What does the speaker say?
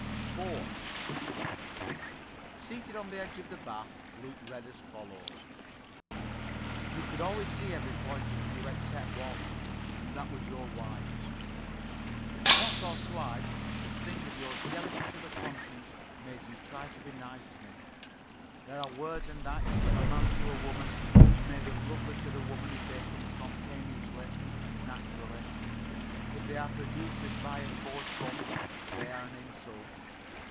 4 Seated on the edge of the bath, Luke read as follows: "You could always see every point of view except one, and that was your wife's. "Once or twice the sting of your jelly fish of a conscience made you try to be nice to me. There are words and acts from a man to a woman which may be [Pg 81]lovely to the woman if they come spontaneously and naturally. If they are produced as by a force pump, they are an insult.